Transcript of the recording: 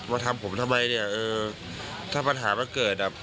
ทำผมทำไมเนี่ยเออถ้าปัญหามันเกิดอ่ะ